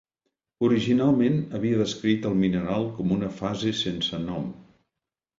Originalment havia descrit el mineral com una fase sense nom.